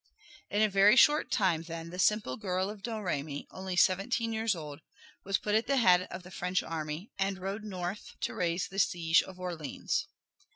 In a very short time then the simple girl of Domremy, only seventeen years old, was put at the head of the French army and rode north to raise the siege of Orleans.